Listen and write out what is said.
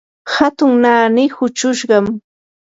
hatun naani huchushqam.